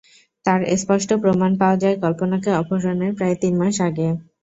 তার স্পষ্ট প্রমাণ পাওয়া যায় কল্পনাকে অপহরণের প্রায় তিন মাস আগে।